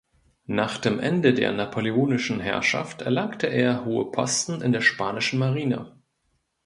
Nach dem Ende der napoleonischen Herrschaft erlangte er hohe Posten in der spanischen Marine.